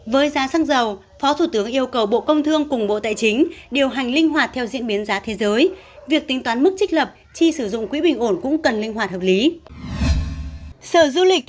với giá xăng dầu phó thủ tướng yêu cầu bộ công thương cùng bộ tài chính điều hành linh hoạt theo diễn biến giá thế giới việc tính toán mức trích lập chi sử dụng quỹ bình ổn cũng cần linh hoạt hợp lý